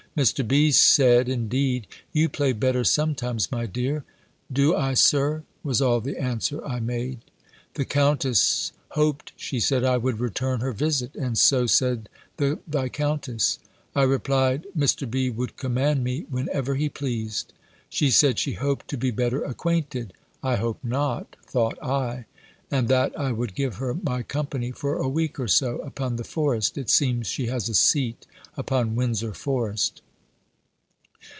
Mr. B. said, indeed "You play better sometimes, my dear." "Do I, Sir?" was all the answer I made. The Countess hoped, she said, I would return her visit; and so said the Viscountess. I replied, Mr. B. would command me whenever he pleased. She said, she hoped to be better acquainted ("I hope not," thought I) and that I would give her my company, for a week or so, upon the Forest: it seems she has a seat upon Windsor Forest.